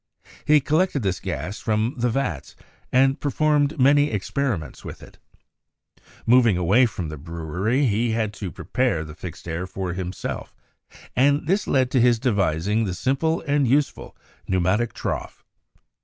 He collected this gas from the vats, and performed many experiments with it. Moving away from the brewery, he had to prepare the "fixed air" for himself; and this led to his devising the simple and useful pneumatic trough.